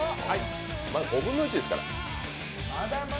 まだ５分の１ですから。